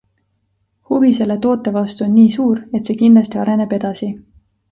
Huvi selle toote vastu on nii suur, et see kindlasti areneb edasi.